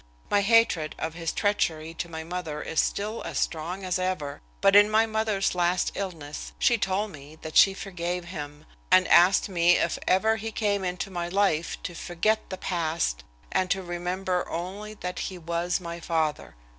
My hatred of his treachery to my mother is still as strong as ever, but in my mother's last illness she told me that she forgave him, and asked me if ever he came into my life to forget the past and to remember only that he was my father.